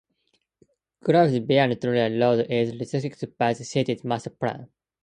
Growth beyond Taylor Road is restricted by the city's Master Plan.